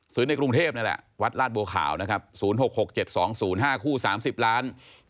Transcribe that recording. ซื้อในกรุงเทพนั่นแหละวัดราชบัวข่าวนะครับ๐๖๖๗๒๐๕คู่๓๐ล้านบาท